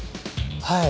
はい。